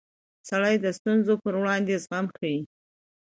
سړی د ستونزو پر وړاندې زغم ښيي